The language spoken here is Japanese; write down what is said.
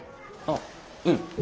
あっうん。